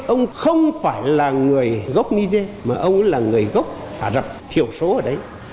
ông phải là người gốc niger mà ông cũng là người gốc hà rập thiểu số ở đấy